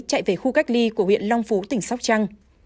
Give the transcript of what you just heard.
chạy về khu cách ly của huyện long phú tỉnh sóc trăng